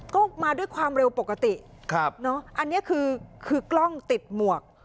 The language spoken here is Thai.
ก็มาด้วยความเร็วปกติอันนี้คือคือกล้องติดหมวก